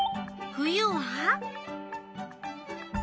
冬は？